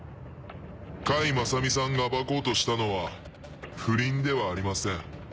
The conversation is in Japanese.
甲斐正美さんが暴こうとしたのは不倫ではありません。